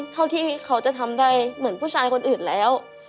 เท่าที่เขาจะทำได้เหมือนผู้ชายคนอื่นแล้ว